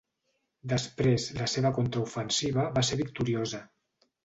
Després la seva contra-ofensiva va ser victoriosa.